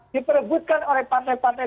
diperebutkan oleh partai partai